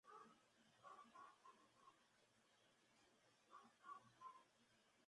Este disco toca el tema de la espiritualidad.